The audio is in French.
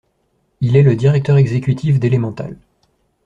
Il est le directeur exécutif d'Elemental.